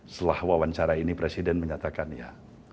setelah wawancara ini presiden menyatakan ya